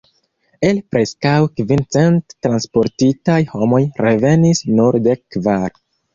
El preskaŭ kvin cent transportitaj homoj revenis nur dek kvar.